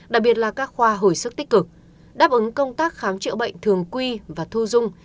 đặc biệt là các khoa hồi sức tích cực đáp ứng công tác khám chữa bệnh thường quy và thu dung